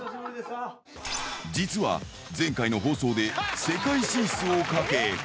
実は、前回の放送で、世界進出をかけ。